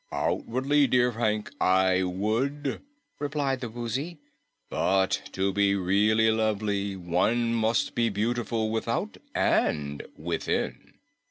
"Outwardly, dear Hank, I would," replied the Woozy. "But to be really lovely, one must be beautiful without and within."